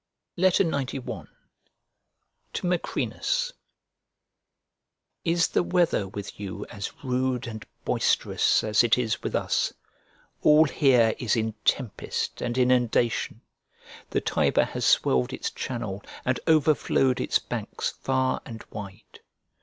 XCI To MACRINUS Is the weather with you as rude and boisterous as it is with us? All here is in tempest and inundation. The Tiber has swelled its channel, and overflowed its banks far and wide.